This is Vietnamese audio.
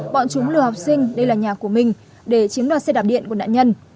bọn chúng lừa học sinh đây là nhà của mình để chiếm đoạt xe đạp điện của nạn nhân